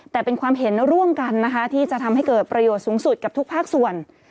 แต่เป็นความเห็นร่วมกันนะคะที่จะทำให้เกิดประโยชน์สูงสุดกับทุกภาคส่วน